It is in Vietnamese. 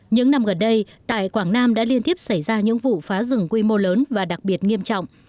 những năm gần đây tại quảng nam đã liên tiếp xảy ra những vụ phá rừng quy mô lớn và đặc biệt nghiêm trọng